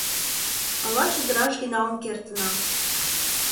Ала чодыражге налын кертына.